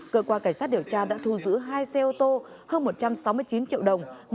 cơ quan cảnh sát điều tra đã thu giữ hai xe ô tô hơn một trăm sáu mươi chín triệu đồng